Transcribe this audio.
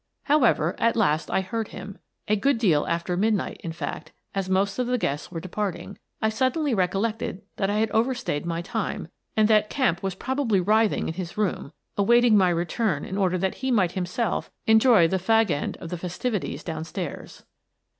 However, at last I heard him. A good deal after midnight — in fact, as most of the guests were 30 Miss Frances Baird, Detective departing — I suddenly recollected that I had over stayed my time, and that Kemp was probably writh ing in his room, awaiting my return in order that he might himself enjoy the fag end of the festivi ties down stairs.